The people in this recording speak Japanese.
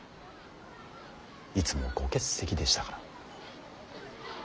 いつもご欠席でしたから。